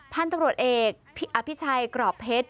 พันธุรกรรมเอกอภิชัยกรอบเพชร